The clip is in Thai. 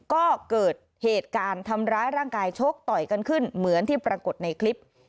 ก็เกิดเหตุการณ์ทำร้ายร่างกายชกต่อยกันขึ้นเหมือนที่ปรากฏในคลิป